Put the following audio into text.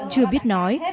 chưa biết nói